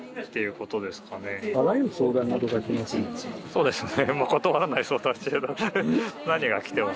そうですね。